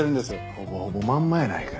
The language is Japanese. ほぼほぼまんまやないかい。